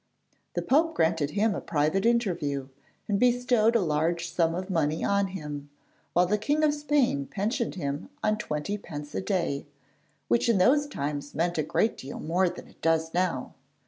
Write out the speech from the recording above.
The Pope granted him a private interview, and bestowed a large sum of money on him, while the King of Spain pensioned him on twenty pence a day, which in those times meant a great deal more than it does now.